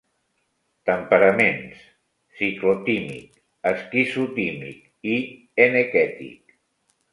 Temperaments: ciclotímic, esquizotímic i enequètic.